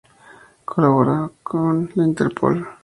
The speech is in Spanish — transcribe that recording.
Colaboraba con la Interpol.